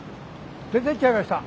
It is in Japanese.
出ていっちゃいました。